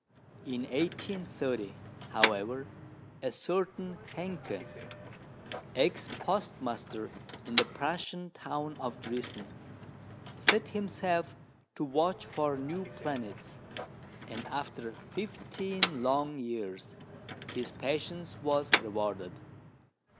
In 1830, however, a certain Hencke, ex postmaster in the Prussian town of Driessen, set himself to watch for new planets, and after fifteen long years his patience was rewarded.